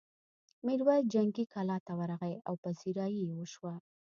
میرويس جنګي کلا ته ورغی او پذيرايي یې وشوه.